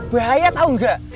bahaya tau gak